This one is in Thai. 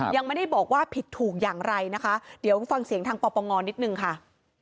ยังไม่ได้บอกว่าผิดถูกอย่างไรนะคะเดี๋ยวฟังเสียงทางปปงนิดนึงค่ะ